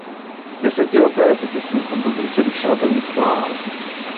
Desetileté secesní období přerušila první světová válka.